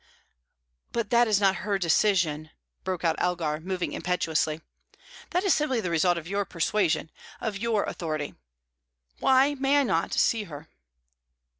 "But that is not her decision," broke out Elgar, moving impetuously. "That is simply the result of your persuasion, of your authority. Why may I not see her?"